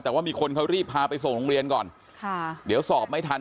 แต่ว่ามีคนเขารีบพาไปส่งโรงเรียนก่อนค่ะเดี๋ยวสอบไม่ทัน